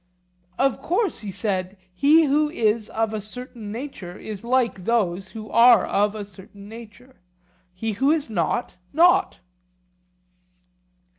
Of course, he said, he who is of a certain nature, is like those who are of a certain nature; he who is not, not.